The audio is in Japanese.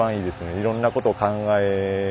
いろんなことを考え